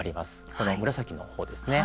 この、紫の方ですね。